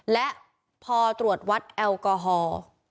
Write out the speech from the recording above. และพอตรวจวัดแอลกอฮอล์